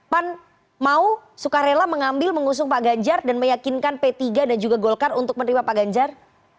pan mau suka rela mengambil mengusung pak ganjar dan meyakinkan p tiga dan juga golkar untuk menerima pak ganjar